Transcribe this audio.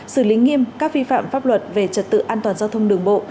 xử lý nghiêm các vi phạm pháp luật về trật tự an toàn giao thông đường bộ